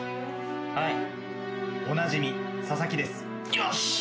はいおなじみ佐々木です。